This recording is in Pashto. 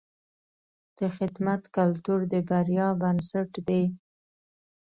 د خدمت کلتور د بریا بنسټ دی.